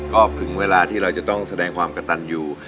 ก็ถึงเวลาที่เราจะต้องแสดงความกระตันอยู่